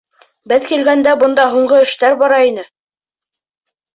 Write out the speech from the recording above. Беҙ килгәндә бында һуңғы эштәр бара ине.